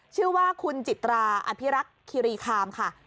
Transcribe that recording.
ชื่อว่าคุณจิตราอภิรักษ์คิรีคามค่ะ